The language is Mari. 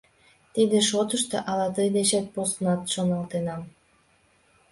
Тиде шотышто ала тый дечет поснат шоналтенам.